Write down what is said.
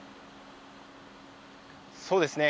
そうですね。